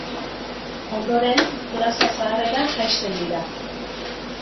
Ondoren Plaza Zaharrera jaisten dira.